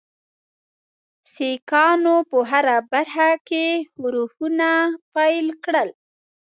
سیکهانو په هره برخه کې ښورښونه پیل کړل.